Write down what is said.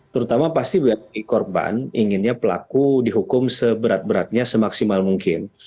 terutama pasti bagi korban inginnya pelaku dihukum seberat beratnya semaksimal mungkin